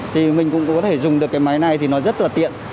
thì mình cũng có thể dùng được cái máy này thì nó rất là tiện